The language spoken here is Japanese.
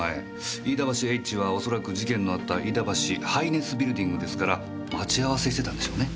「飯田橋Ｈ」は恐らく事件のあった飯田橋ハイネスビルディングですから待ち合わせしてたんでしょうね。